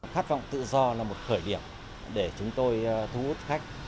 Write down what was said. khát vọng tự do là một khởi điểm để chúng tôi thu hút khách